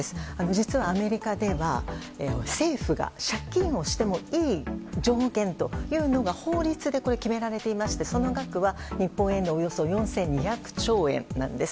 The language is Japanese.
実はアメリカでは政府が借金をしてもいい上限というのが法律で決められていましてその額は日本円でおよそ４２００兆円なんです。